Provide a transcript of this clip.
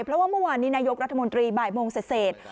เพราะว่าเมื่อวานนี้นายกรัฐมนตรีบ่ายโมงเสร็จ